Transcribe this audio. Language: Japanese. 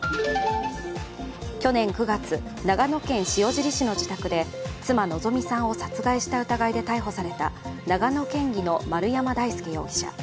去年９月、長野県塩尻市の自宅で妻・希美さんを殺害した疑いで逮捕された、長野県議の丸山大輔容疑者。